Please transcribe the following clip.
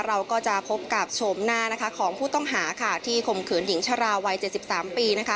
่าก็จะพบกับโฉมหน้าของผู้ต้องหาที่ข่มขืนนินชาราววัยเจ็ดสิบสามปี